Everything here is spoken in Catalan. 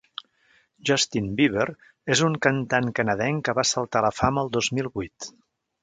Justin Bieber és un cantant canadenc que va saltar a la fama el dos mil vuit.